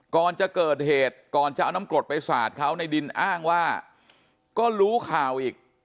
ก่อนจะเกิดเหตุก่อนจะเอาน้ำกรดไปสาดเขาในดินอ้างว่าก็รู้ข่าวอีก